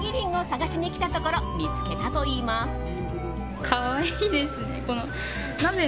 具を探しに来たところ見つけたといいます。